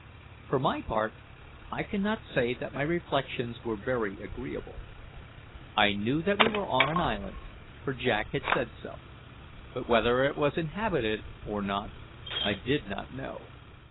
For my part, I cannot say that my reflections were very agreeable. I knew that we were on an island, for Jack had said so; but whether it was inhabited or not, I did not know.